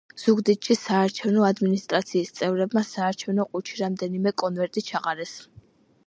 ზუგდიდში საარჩევნო ადმინისტრაციის წევრებმა საარჩევნო ყუთში რამდენიმე კონვერტი ჩაყარეს.